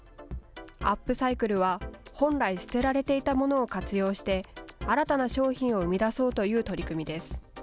アップサイクルは本来捨てられていたものを活用して新たな商品を生み出そうという取り組みです。